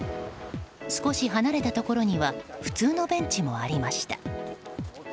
少し離れたところには普通のベンチもありました。